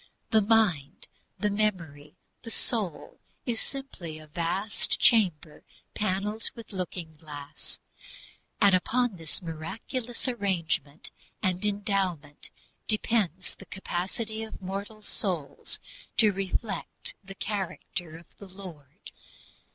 The mind, the memory, the soul, is simply a vast chamber panelled with looking glass. And upon this miraculous arrangement and endowment depends the capacity of mortal souls to "reflect the character of the Lord."